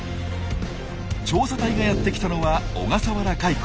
調査隊がやって来たのは小笠原海溝。